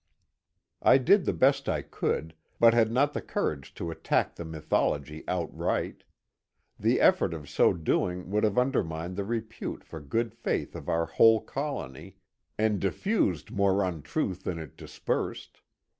I did the best I could, but had not the courage to attack the mythology outright ; the effort of so doing would have undermined the repute for good faith of our whole colony, and diffused more untruth than it dispersed.